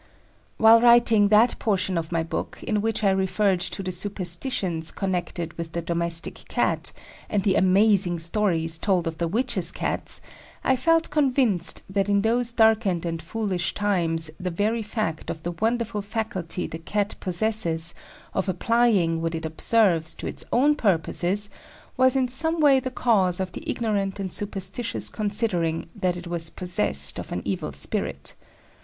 While writing that portion of my book in which I referred to the superstitions connected with the domestic Cat, and the amazing stories told of the witches' Cats, I felt convinced that in those darkened and foolish times that the very fact of the wonderful faculty the Cat possesses of applying what it observes to its own purposes was in some way the cause of the ignorant and superstitious considering that it was "possessed" of an evil spirit.